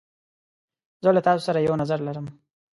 زه له تا سره یو نظر لرم.